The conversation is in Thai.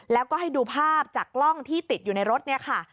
แล้วก็ให้ดูภาพจากกล้องที่ติดอยู่ในรถเนี่ยค่ะ